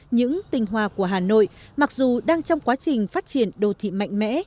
những tinh hoa của hà nội mặc dù đang trong quá trình phát triển đô thị mạnh mẽ